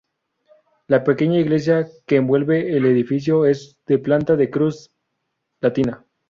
La pequeña iglesia que envuelve el edificio es de planta de cruz latina.